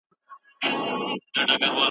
که سیلانی وي نو ځایونه نه ورکیږي.